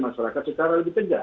masyarakat secara lebih tegak